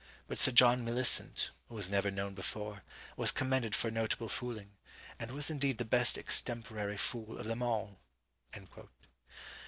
But Sir John Millicent (who was never known before) was commended for notable fooling; and was indeed the best extemporary foole of them all."